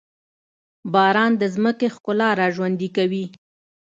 باران د ځمکې ښکلا راژوندي کوي.